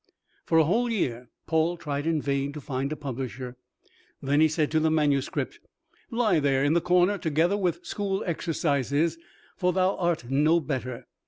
For a whole year Paul tried in vain to find a publisher. Then he said to the manuscript, "Lie there in the corner together with school exercises, for thou art no better.